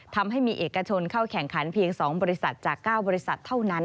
ทำให้มีเอกชนเข้าแข่งขันเพียง๒บริษัทจาก๙บริษัทเท่านั้น